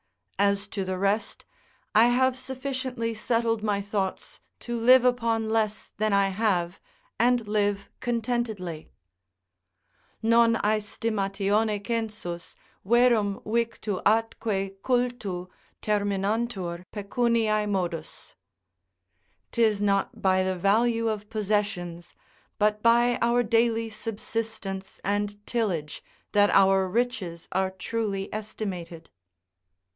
As to the rest, I have sufficiently settled my thoughts to live upon less than I have, and live contentedly: "Non aestimatione census, verum victu atque cultu, terminantur pecunix modus." ["'Tis not by the value of possessions, but by our daily subsistence and tillage, that our riches are truly estimated."